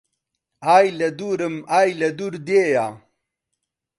ئای لە دوورم ئای لە دوور دێیا